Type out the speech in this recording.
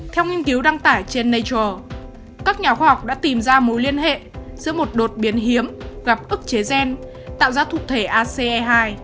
theo nghiên cứu đăng tải trên nature các nhà khoa học đã tìm ra mối liên hệ giữa một đột biến hiếm gặp ức chế gen tạo ra thuộc thể ace hai